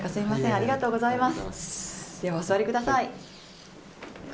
ありがとうございます。